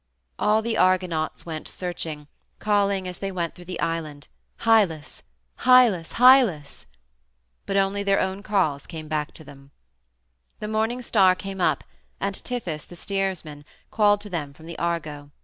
All the Argonauts went searching, calling as they went through the island, "Hylas, Hylas, Hylas!" But only their own calls came back to them. The morning star came up, and Tiphys, the steersman, called to them from the Argo.